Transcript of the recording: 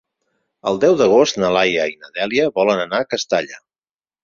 El deu d'agost na Laia i na Dèlia volen anar a Castalla.